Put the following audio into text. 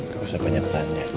gak usah banyak tanya